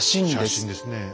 写真ですね。